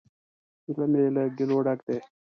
زړه می له ګیلو ډک دی